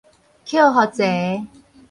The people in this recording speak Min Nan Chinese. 抾予齊